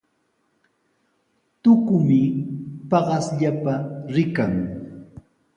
Tukumi paqaspalla rikan.